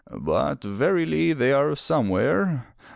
"But, verily, they are some where.